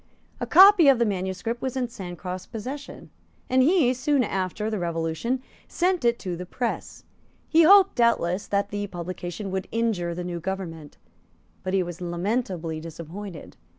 A copy of the manuscript was in Sancroft's possession; and he, soon after the Revolution, sent it to the press. He hoped, doubtless, that the publication would injure the new government; but he was lamentably disappointed.